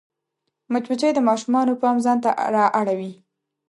مچمچۍ د ماشومانو پام ځان ته رااړوي